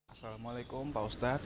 assalamu'alaikum pak ustadz